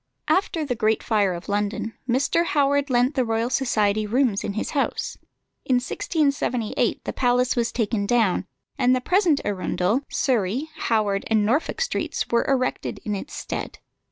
After the Great Fire of London, Mr. Howard lent the Royal Society rooms in his house. In 1678 the palace was taken down, and the present Arundel, Surrey, Howard, and Norfolk streets were erected in its stead.